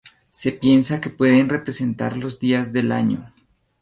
Se piensa que pueden representar los días del año.